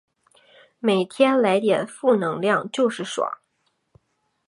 每天来点负能量就是爽